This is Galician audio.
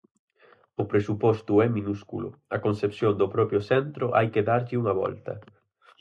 O presuposto é minúsculo, a concepción do propio centro hai que darlle unha volta.